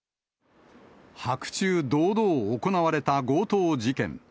白昼堂々行われた強盗事件。